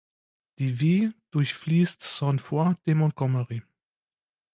Die Vie durchfließt Sainte-Foy-de-Montgommery.